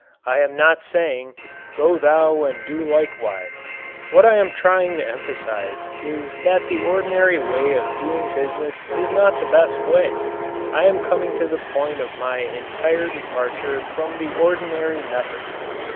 I am not saying: "Go thou and do likewise." What I am trying to emphasize is that the ordinary way of doing business is not the best way. I am coming to the point of my entire departure from the ordinary methods.